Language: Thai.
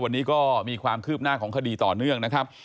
วันนี้ก็มีความคืบหน้าของคดีต่อเนื่องนะครับ